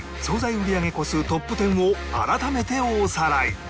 売り上げ個数トップ１０を改めておさらい